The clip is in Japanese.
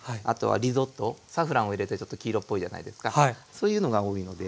そういうのが多いので。